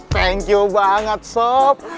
thank you banget sob